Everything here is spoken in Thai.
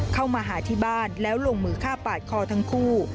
เข้ามาหาที่บ้านแล้วลงมือฆ่าปาดคอทั้งคู่